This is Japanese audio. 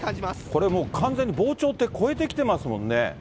これもう完全に防潮堤越えてきてますもんね。